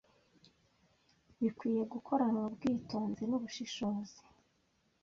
bikwiye gukoranwa ubwitonzi n’ubushishozi